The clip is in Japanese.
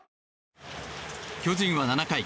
巨人は７回。